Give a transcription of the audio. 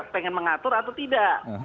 pengen mengatur atau tidak